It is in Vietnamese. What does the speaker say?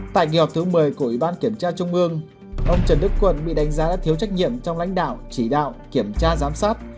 tại kỳ họp thứ một mươi của ủy ban kiểm tra trung ương ông trần đức quận bị đánh giá đã thiếu trách nhiệm trong lãnh đạo chỉ đạo kiểm tra giám sát